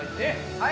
はい。